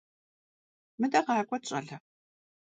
Мыдэ къэкӀуатэт, щӀалэ.